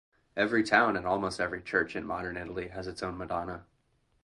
Every town and almost every church in modern Italy has its own Madonna.